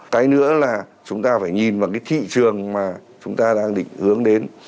cái nữa là chúng ta phải nhìn vào cái thị trường mà chúng ta đang định hướng đến